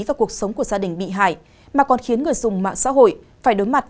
và cuộc sống của gia đình bị hại mà còn khiến người dùng mạng xã hội phải đối mặt